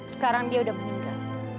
sekarang dia udah meninggal